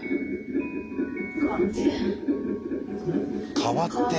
代わって！